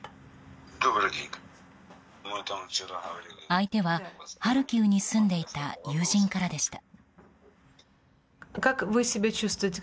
相手はハルキウに住んでいた友人からでした。